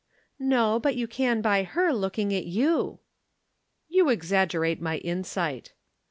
"No, but you can by her looking at you." "You exaggerate my insight."